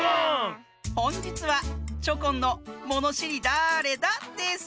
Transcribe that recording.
ほんじつはチョコンの「ものしりだれだ？」です。